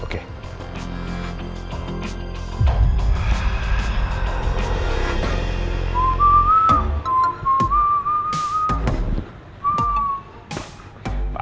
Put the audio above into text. baik pak sama pak